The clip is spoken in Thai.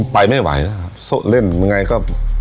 ไปไม่ไหวแล้วครับเล่นยังไงก็